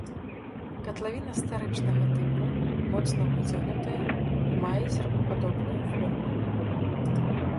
Катлавіна старычнага тыпу, моцна выцягнутая і мае серпападобную форму.